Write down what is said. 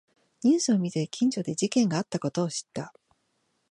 ニュースを見て近所で事件があったことを知った